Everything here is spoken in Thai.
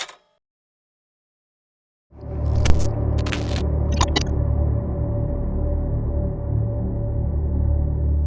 อันต่อไป